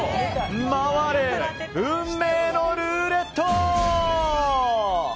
回れ、運命のルーレット！